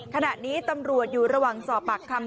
ขณะนี้ตำรวจอยู่ระหว่างสอบปากคำ